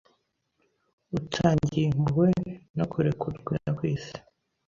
utangiye Impuhwe Nokurekurwa kwisi